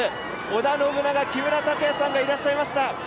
織田信長・木村拓哉さんがいらっしゃいました。